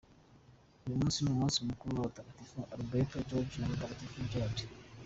Uyu munsi ni umunsi mukuru w’abatagatifu: Adalbert, George, na mutagatifu Gerard.